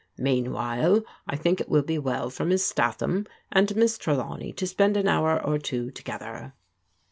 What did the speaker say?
Meanwhile, I think it will be well for Miss Stat ham and Miss Trdawney to spend an hour or two to gether."